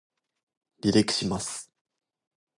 離陸します